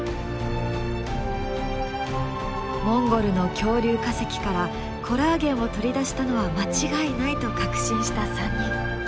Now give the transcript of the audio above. モンゴルの恐竜化石からコラーゲンを取り出したのは間違いないと確信した３人。